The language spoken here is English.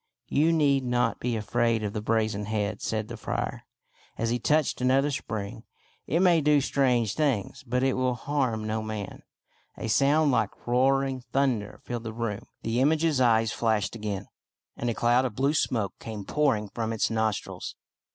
" You need not be afraid of the brazen head," said the friar, as he touched another spring. " It may do strange things, but it will harm no man." A sound like rolling thunder filled the room, the image's eyes flashed again, and a cloud of blue smoke came pouring from its nostrils.